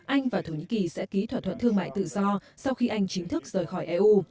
anh và thổ nhĩ kỳ sẽ ký thỏa thuận thương mại tự do sau khi anh chính thức rời khỏi eu